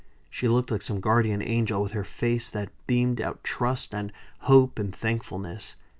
She looked like some guardian angel, with her face that beamed out trust, and hope, and thankfulness.